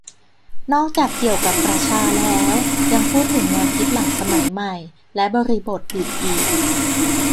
นอกจากเกี่ยวกับประชาแล้ว ยังพูดถึงแนวคิดหลังสมัยใหม่ และบริบทอื่นอีก